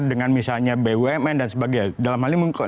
dengan misalnya bumn dan sebagainya